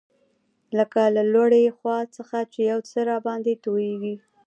لکه له لوړې خوا څخه چي یو څه راباندي تویېږي.